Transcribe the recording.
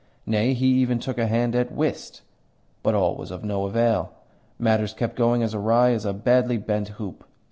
Nay, he even took a hand at whist. But all was of no avail matters kept going as awry as a badly bent hoop.